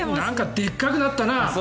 でっかくなったな！